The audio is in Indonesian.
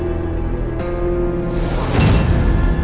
laki laki itu masih hidup